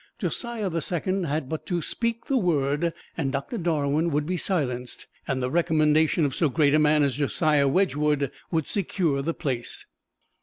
Josiah the Second had but to speak the word and Doctor Darwin would be silenced, and the recommendation of so great a man as Josiah Wedgwood would secure the place.